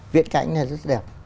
viễn cảnh này rất đẹp